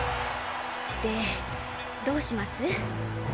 でどうします？